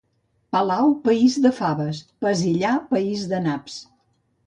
Palau, país de faves... Pesillà, país de naps.